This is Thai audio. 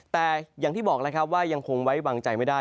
แต่อย่างที่บอกยังคงไว้วางใจไม่ได้